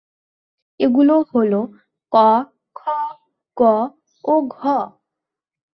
এগুলো হল: ক, খ, গ ও ঘ।